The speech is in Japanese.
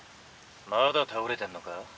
まだ倒れてんのか？